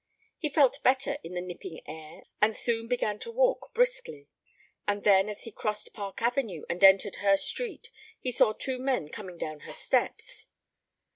He felt better in the nipping air and soon began to walk briskly. And then as he crossed Park Avenue and entered her street he saw two men coming down her steps.